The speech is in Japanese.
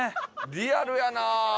リアルやな！